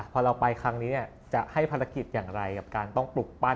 พอเราไปครั้งนี้จะให้ภารกิจอย่างไรกับการต้องปลุกปั้น